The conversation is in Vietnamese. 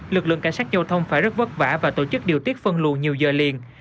lực lượng cảnh sát giao thông phải rất vất vả và tổ chức điều tiết phân luồng nhiều giờ liền